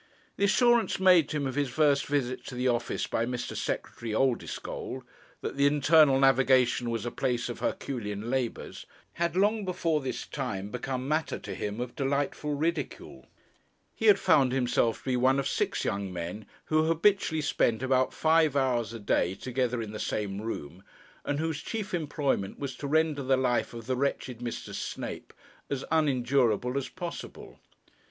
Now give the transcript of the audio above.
The assurance made to him on his first visit to the office by Mr. Secretary Oldeschole, that the Internal Navigation was a place of herculean labours, had long before this time become matter to him of delightful ridicule. He had found himself to be one of six young men, who habitually spent about five hours a day together in the same room, and whose chief employment was to render the life of the wretched Mr. Snape as unendurable as possible.